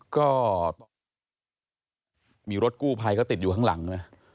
ก็มีรถกู้ไพเขาติดอยู่ข้างหลังใช่ไหม